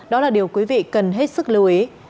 đó là điều quý vị cần hết sức lưu ý